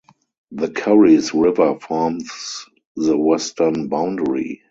The Curries River forms the western boundary.